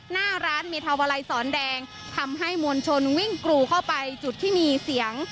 หน้าร้านเมธาวาลัยสอนแดงทำให้มวลชนวิ่งกรูเข้าไปจุดที่มีเสียง